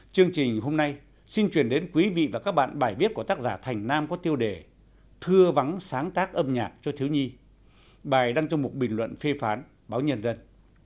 chương trình hôm nay xin truyền đến quý vị và các bạn bài viết của tác giả thành nam có tiêu đề thưa vắng sáng tác âm nhạc cho thiếu nhi bài đăng trong một bình luận phê phán báo nhân dân